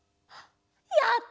やった！